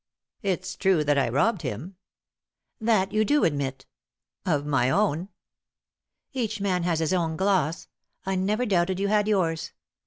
" It's true that I robbed him." "That you do admit" " Of my own." "Each man has his own gloss; I never doubted you had yours.